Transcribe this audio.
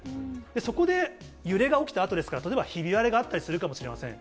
そこで揺れが起きたあとですから、例えばひび割れがあったりするかもしれません。